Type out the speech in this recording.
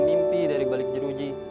mimpi dari balik jeruji